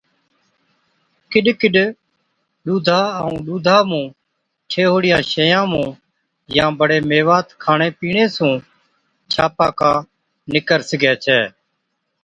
ڪِڏ ڪِڏ ڏُوڌا ائُون ڏُوڌا مُون ٺيهوڙِيان شئِيان مُون يان بڙي ميوات کاڻي پِيڻي سُون ڇاپڪا نِڪر سِگھَي ڇَي۔